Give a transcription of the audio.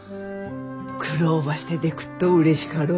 苦労ばしてでくっとうれしかろ？